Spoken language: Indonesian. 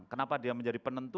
kenapa dia menjadi penentu